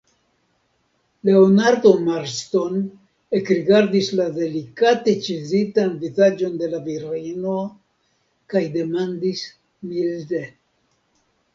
Leonardo Marston ekrigardis la delikate ĉizitan vizaĝon de la virino, kaj demandis milde: